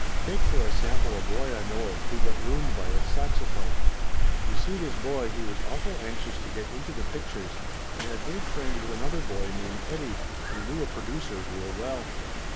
Take for a sample a boy I know of who got ruined by a saxophone. You see this boy, he was awful anxious to get into the pictures and had made friends with another boy named Eddie, who knew a producer real well.